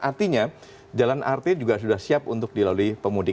artinya jalan arte juga sudah siap untuk dilalui pemudik